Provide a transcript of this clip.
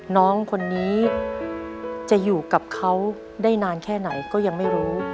น้องคนนี้จะอยู่กับเขาได้นานแค่ไหนก็ยังไม่รู้